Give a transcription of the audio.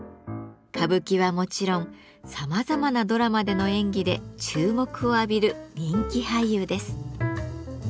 歌舞伎はもちろんさまざまなドラマでの演技で注目を浴びる人気俳優です。